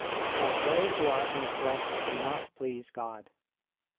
And they who are in the flesh cannot please God.